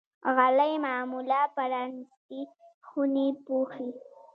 غالۍ معمولا پرانيستې خونې پوښي.